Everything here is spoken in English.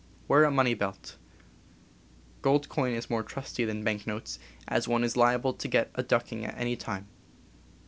Wear a money belt. Gold coin is mere trusty than banknotes, as one is liable to get a ducking at any time.